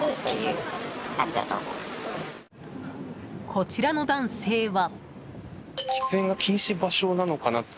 こちらの男性は。